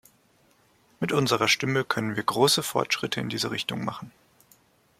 Mit unserer Stimme können wir große Fortschritte in diese Richtung machen.